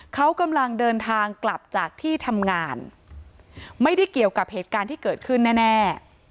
เขากำลังเดินทางกลับจากที่ทำงานไม่ได้เกี่ยวกับเหตุการณ์ที่เกิดขึ้นแน่